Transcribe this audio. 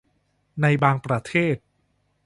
ในบางประเทศ